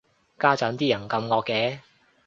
家陣啲人咁惡嘅